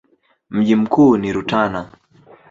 Mji mkuu ni Rutana.